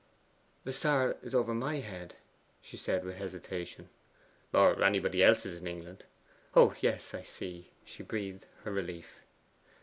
'The star is over MY head,' she said with hesitation. 'Or anybody else's in England.' 'Oh yes, I see:' she breathed her relief.